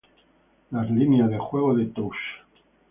La línea de juegos de Touch!